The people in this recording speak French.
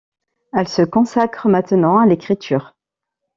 Elle se consacre maintenant à l’écriture.